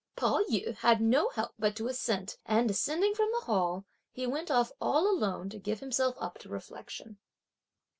Pao yü had no help but to assent, and descending from the hall, he went off all alone to give himself up to reflection.